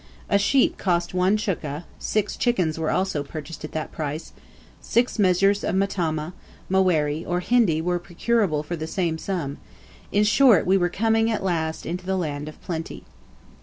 A sheep cost one chukka; six chickens were also purchased at that price; six measures of matama, maweri, or hindi, were procurable for the same sum; in short, we were coming, at last, into the land of plenty.